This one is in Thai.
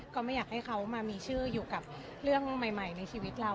ก็ไม่อยากให้เขามามีชื่ออยู่กับเรื่องใหม่ในชีวิตเรา